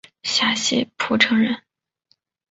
陕西蒲城人。